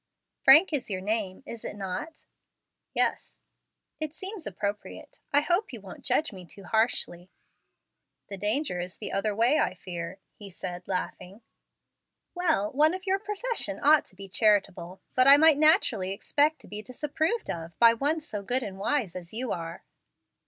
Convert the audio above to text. "Frank is your name, is it not?" "Yes." "It seems appropriate. I hope you won't judge me too harshly." "The danger is the other way, I fear," he said laughing. "Well, one of your profession ought to be charitable. But I might naturally expect to be disapproved of by one so good and wise as you are."